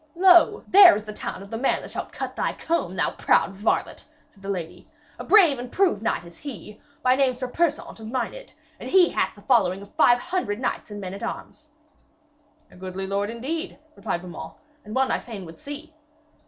'Lo, there is the town of the man that shall cut thy comb, thou proud varlet!' said the lady. 'A brave and proved knight is he, by name Sir Persaunt of Mynnid. And he hath a following of five hundred knights and men at arms.' 'A goodly lord, indeed,' replied Beaumains, 'and one I fain would see.'